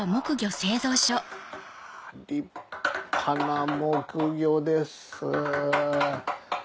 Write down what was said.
立派な木魚です。